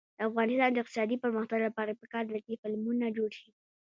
د افغانستان د اقتصادي پرمختګ لپاره پکار ده چې فلمونه جوړ شي.